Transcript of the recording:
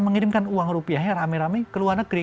mengirimkan uang rupiahnya rame rame ke luar negeri